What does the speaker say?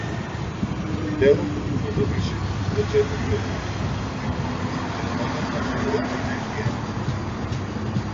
Делото било завршено за четири години, а љубовниците одамна се оладиле еден кон друг.